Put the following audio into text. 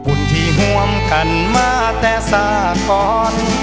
บุญที่ห่วมกันมาแต่สากอน